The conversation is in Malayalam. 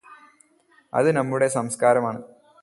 അത് നമ്മുടെ സംസ്ക്കാരമാണ്